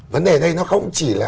vấn đề đây nó không chỉ là